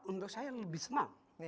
untuk saya lebih senang